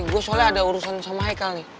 gue soalnya ada urusan sama haikal nih